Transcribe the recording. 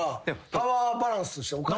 パワーバランスとしておかしい。